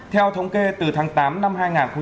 theo thống kê từ tháng tám năm hai nghìn hai mươi